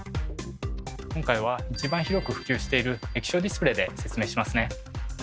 今回は一番広く普及している液晶ディスプレーで説明しますね。